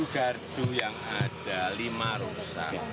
tujuh gadu yang ada lima rusak